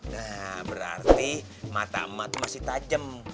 nah berarti mata emat masih tajam